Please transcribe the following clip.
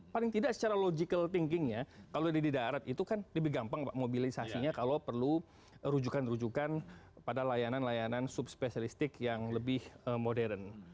paling tidak secara logical thinkingnya kalau di darat itu kan lebih gampang mobilisasinya kalau perlu rujukan rujukan pada layanan layanan subspecialistik yang lebih modern